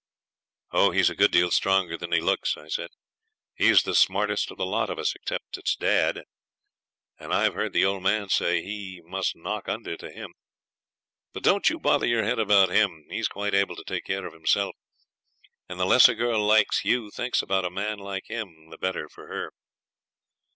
'Oh, he's a good deal stronger than he looks,' I said; 'he's the smartest of the lot of us, except it is dad, and I've heard the old man say he must knock under to him. But don't you bother your head about him; he's quite able to take care of himself, and the less a girl like you thinks about a man like him the better for her.'